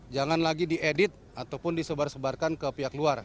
jangan lagi diedit ataupun disebar sebarkan ke pihak luar